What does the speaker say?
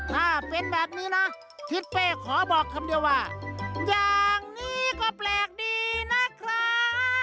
ถ้าเป็นแบบนี้นะทิศเป้ขอบอกคำเดียวว่าอย่างนี้ก็แปลกดีนะครับ